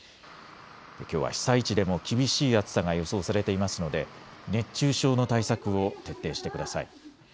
きょうは被災地でも厳しい暑さが予想されていますので熱中症の対策を徹底してください。